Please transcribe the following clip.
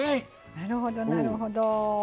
なるほどなるほど。